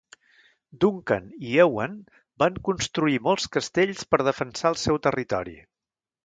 Duncan i Ewan van construir molts castells per defensar el seu territori.